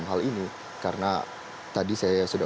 hal ini karena tadi saya sudah